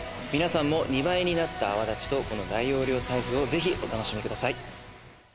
皆さんも２倍になった泡立ちと、この大容量サイズをぜひお楽しみください。